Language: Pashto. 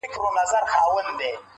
سپی ناجوړه سو او مړ سو ناګهانه،